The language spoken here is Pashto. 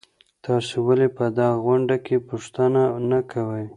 تاسو ولي په دغه غونډې کي پوښتنه نه کوئ؟